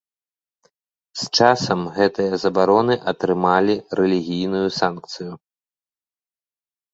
З часам гэтыя забароны атрымалі рэлігійную санкцыю.